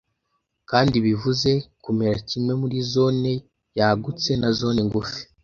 Kandi bivuze, Kumera kimwe muri zone yagutse na zone ngufi,